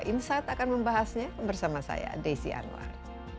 insight akan membahasnya bersama saya desi anwar